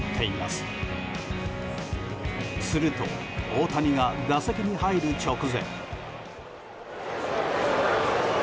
すると、大谷が打席に入る直前。